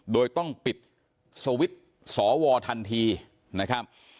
โดยต้องปิดสวิตช์สวทันทีนะครับ